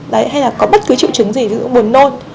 đấy hay là có bất cứ chữ chứng gì cũng buồn nôn